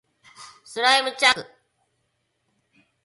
スライムチャンク